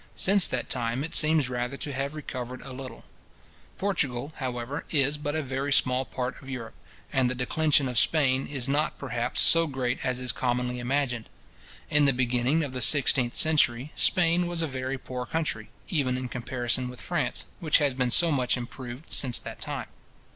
Since that time it seems rather to have recovered a little. Spain and Portugal, indeed, are supposed to have gone backwards. Portugal, however, is but a very small part of Europe, and the declension of Spain is not, perhaps, so great as is commonly imagined. In the beginning of the sixteenth century, Spain was a very poor country, even in comparison with France, which has been so much improved since that time.